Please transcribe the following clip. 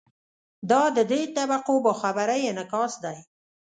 دا د دې طبقو باخبرۍ انعکاس دی.